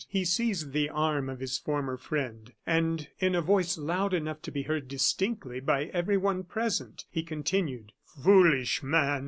He seized the arm of his former friend, and in a voice loud enough to be heard distinctly by everyone present, he continued: "Foolish man!